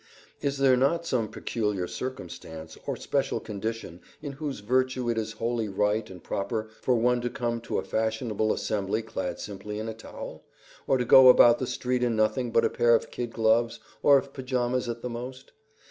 Is there not some peculiar circumstance or special condition in whose virtue it is wholly right and proper for one to come to a fashionable assembly clad simply in a towel, or to go about the street in nothing but a pair of kid gloves, or of pajamas at the most?